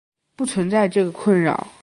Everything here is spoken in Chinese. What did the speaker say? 不存在这个困扰。